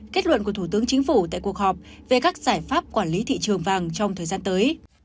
kết luận của thủ tướng chính phủ tại cuộc họp về các giải pháp quản lý thị trường vàng trong thời gian tới